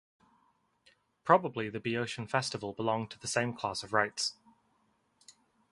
Probably the Boeotian festival belonged to the same class of rites.